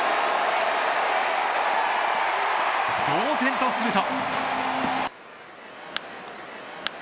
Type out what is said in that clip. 同点とすると。